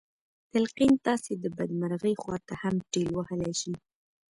تلقين تاسې د بدمرغۍ خواته هم ټېل وهلی شي.